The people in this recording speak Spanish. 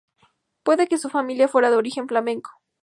Puede que su familia fuera de origen flamenco.